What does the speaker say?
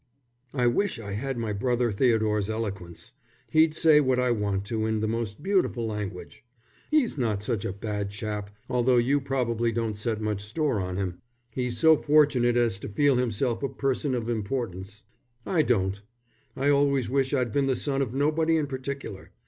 "I wish I had my brother Theodore's eloquence. He'd say what I want to in the most beautiful language. He's not a bad chap, although you probably don't set much store on him. He's so fortunate as to feel himself a person of importance; I don't. I always wish I'd been the son of nobody in particular.